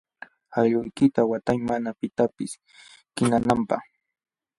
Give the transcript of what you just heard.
Allquykita watay mana pitapis kaninanpaq.